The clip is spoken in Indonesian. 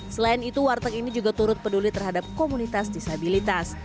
selain itu warteg ini juga turut peduli terhadap komunitas disabilitas